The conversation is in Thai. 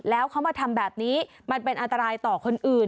แล้วเขามาทำแบบนี้มันเป็นอันตรายต่อคนอื่น